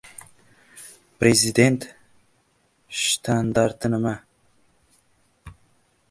Prezident shtandarti nima?